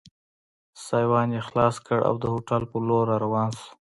سایوان یې خلاص کړ او د هوټل په لور را روان شو.